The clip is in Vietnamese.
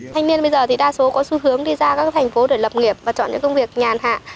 thanh niên bây giờ thì đa số có xu hướng đi ra các thành phố để lập nghiệp và chọn những công việc nhàn hạ